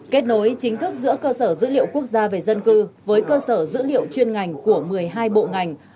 kết nối chính thức giữa cơ sở dữ liệu quốc gia về dân cư với cơ sở dữ liệu chuyên ngành của một mươi hai bộ ngành